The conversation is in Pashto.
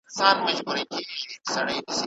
د روغتیا حق له ژوند سره تړلی دی.